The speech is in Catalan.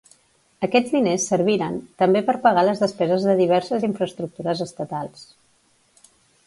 Aquests diners serviren també per pagar les despeses de diverses infraestructures estatals.